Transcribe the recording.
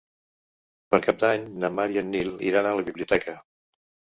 Per Cap d'Any na Mar i en Nil iran a la biblioteca.